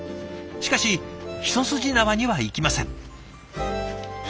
しかし一筋縄にはいきません。